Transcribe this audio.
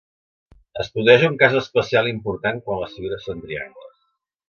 Es produeix un cas especial important quan les figures són triangles.